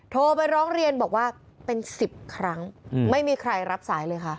โทรไปร้องเรียนบอกว่าเป็น๑๐ครั้งไม่มีใครรับสายเลยค่ะ